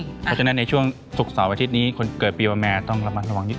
เพราะฉะนั้นในช่วงศุกร์เสาร์อาทิตย์นี้คนเกิดปีวแม่ต้องระมัดระวังนิด